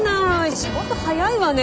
仕事速いわね。